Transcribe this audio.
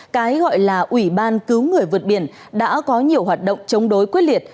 cái gọi là ủy ban cứu người vượt biển đã có nhiều hoạt động chống đối quyết liệt